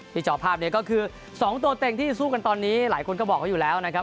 จอภาพนี้ก็คือ๒ตัวเต็งที่จะสู้กันตอนนี้หลายคนก็บอกเขาอยู่แล้วนะครับ